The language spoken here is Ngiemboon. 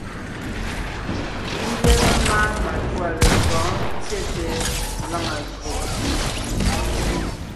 Ńgyɛ́ memáa matûa lefɔ̌ɔn tsyete lǎŋa lÿò.